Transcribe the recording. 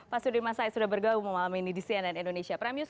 pak sudirman said sudah bergabung malam ini di cnn indonesia prime news